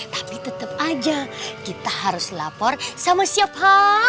tapi tetap aja kita harus lapor sama siapa